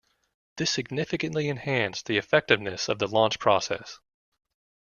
This significantly enhances the effectiveness of the launch process.